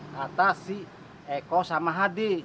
kata si eko sama hadi